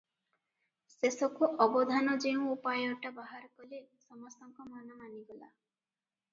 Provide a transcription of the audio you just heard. ଶେଷକୁ ଅବଧାନ ଯେଉଁ ଉପାୟଟା ବାହାର କଲେ, ସମସ୍ତଙ୍କ ମନ ମାନିଗଲା ।